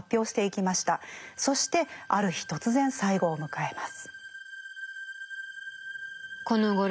そしてある日突然最期を迎えます。